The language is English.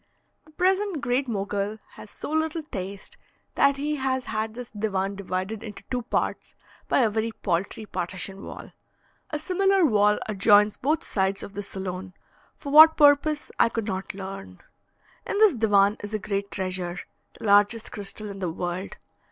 The present Great Mogul has so little taste, that he has had this divan divided into two parts by a very paltry partition wall. A similar wall adjoins both sides of the saloon, for what purpose I could not learn. In this divan is a great treasure: the largest crystal in the world.